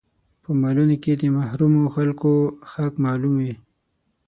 په مالونو کې يې د محرومو خلکو حق معلوم وي.